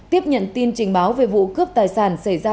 tiếp nhận tin trình báo về vụ cướp tài sản xảy ra